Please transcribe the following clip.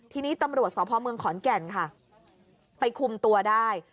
ทีนี้ตำรวจสพเมืองขอนแก่นค่ะไปคุมตัวได้